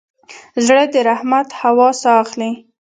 زړه د رحمت هوا ساه اخلي.